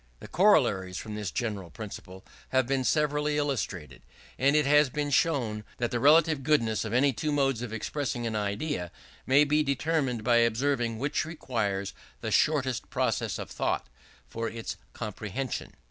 The corollaries from this general principle have been severally illustrated; and it has been shown that the relative goodness of any two modes of expressing an idea, may be determined by observing which requires the shortest process of thought for its comprehension.